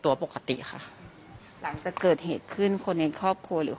ตัวปกติค่ะหลังจากเกิดเหตุขึ้นคนในครอบครัวหรือ